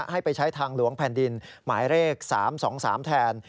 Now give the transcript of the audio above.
ให้ไปใช้ทางหลวงแผ่นดินหมายเลข๓๒๓แทน